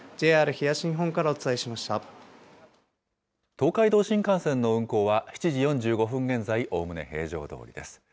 東海道新幹線の運行は、７時４５分現在、おおむね平常どおりです。